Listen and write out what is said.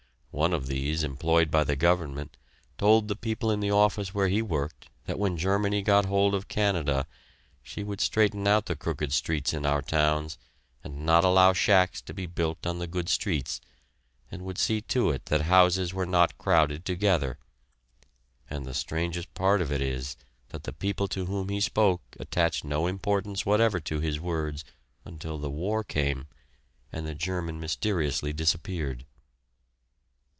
One of these, employed by the Government, told the people in the office where he worked that when Germany got hold of Canada, she would straighten out the crooked streets in our towns and not allow shacks to be built on the good streets, and would see to it that houses were not crowded together; and the strangest part of it is that the people to whom he spoke attached no importance whatever to his words until the war came and the German mysteriously disappeared.